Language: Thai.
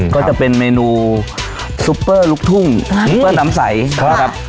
ก็จะเป็นเมนูซุปเปอร์ลูกทุ่งซุปเปอร์น้ำใสนะครับ